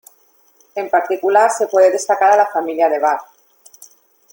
En particular se puede destacar a la familia de Bar.